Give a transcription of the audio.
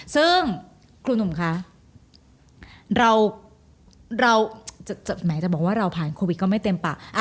ซึ่งครูหนุ่มคะเราแหมจะบอกว่าเราผ่านโควิดก็ไม่เต็มปาก